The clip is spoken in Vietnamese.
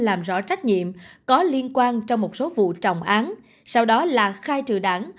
làm rõ trách nhiệm có liên quan trong một số vụ trọng án sau đó là khai trừ đảng